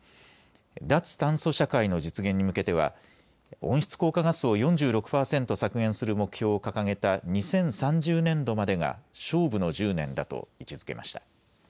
脱炭素社会の実現に向けては温室効果ガスを４６％削減する目標を掲げた２０３０年度までが勝負の１０年だと位置づけました。